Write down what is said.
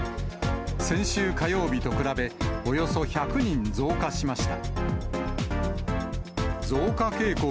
先週火曜日と比べ、およそ１００人増加しました。